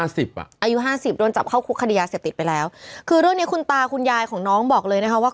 อายุห้าสิบโดนจับเข้าคุกคดียาเสพติดไปแล้วคือเรื่องนี้คุณตาคุณยายของน้องบอกเลยนะคะว่า